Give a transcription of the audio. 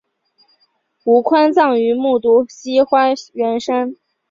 吴宽葬于木渎西花园山。